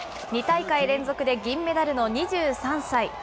２大会連続で銀メダルの２３歳。